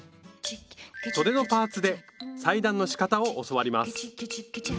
そでのパーツで裁断のしかたを教わります